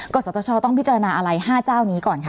ศตชต้องพิจารณาอะไร๕เจ้านี้ก่อนคะ